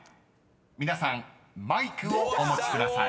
［皆さんマイクをお持ちください］